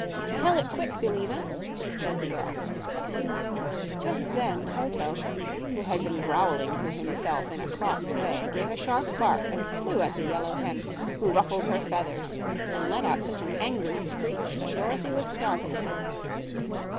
"Tell it quick, Billina!" said the girl. Just then Toto, who had been growling to himself in a cross way, gave a sharp bark and flew at the yellow hen, who ruffled her feathers and let out such an angry screech that Dorothy was startled.